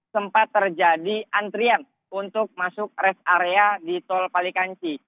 sempat terjadi antrian untuk masuk rest area di tol palikanci